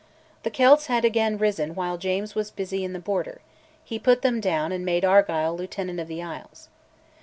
The Celts had again risen while James was busy in the Border; he put them down, and made Argyll Lieutenant of the Isles.